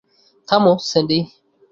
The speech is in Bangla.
থামো, স্যান্ডি।